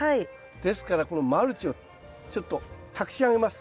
ですからこのマルチをちょっとたくし上げます。